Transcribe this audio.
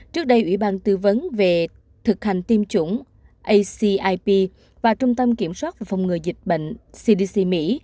trước đây ủy ban tư vấn về thực hành tiêm chủng acip và trung tâm kiểm soát phòng ngừa dịch bệnh cdc mỹ